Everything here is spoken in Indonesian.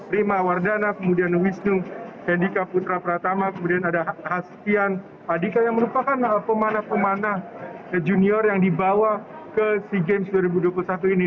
rima wardana kemudian wisnu hendika putra pratama kemudian ada haspian adika yang merupakan pemanah pemanah junior yang dibawa ke sea games dua ribu dua puluh satu ini